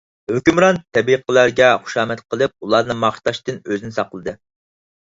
ھۆكۈمران تەبىقىلەرگە خۇشامەت قىلىپ، ئۇلارنى ماختاشتىن ئۆزىنى ساقلىدى.